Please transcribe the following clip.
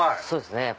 そうですね。